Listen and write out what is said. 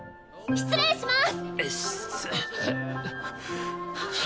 失礼します。